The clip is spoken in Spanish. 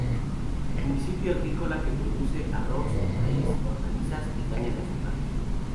Municipio agrícola que produce arroz, maíz, hortalizas y caña de azúcar.